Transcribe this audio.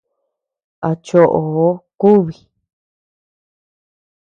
A chóʼoo kubii.